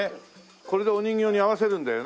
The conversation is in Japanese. これでお人形に合わせるんだよね。